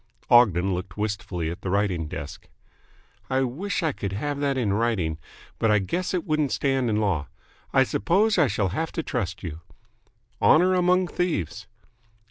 Ogden looked wistfully at the writing desk. "I wish I could have that in writing. But I guess it wouldn't stand in law. I suppose I shall have to trust you." "Honour among thieves."